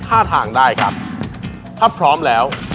อะไรคะจะช่วยเอาเปล่า